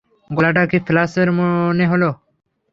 গলাটা কি ফ্ল্যাচের মনে হলো?